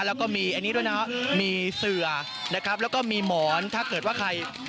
แล้วก็มีอันนี้ด้วยนะมีเสือนะครับแล้วก็มีหมอนถ้าเกิดว่าใคร